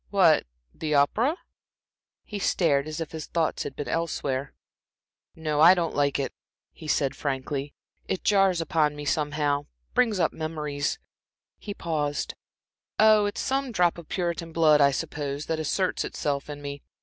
"What, the opera?" He started as if his thoughts had been elsewhere. "No, I don't like it," he said, frankly. "It jars upon me somehow, brings up memories" he paused. "Oh, it's some drop of Puritan blood, I suppose," he went on, impatiently, "that asserts itself in me.